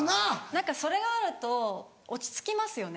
何かそれがあると落ち着きますよね